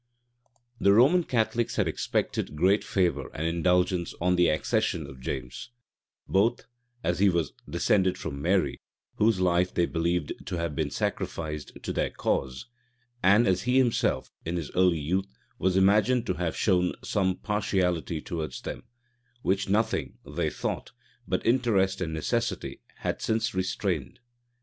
The Roman Catholics had expected great favor and indulgence on the accession of James, both as he was descended from Mary, whose life they believed to have been sacrificed to their cause, and as he himself, in his early youth, was imagined to have shown some partiality towards them, which nothing, they thought, but interest and necessity had since restrained.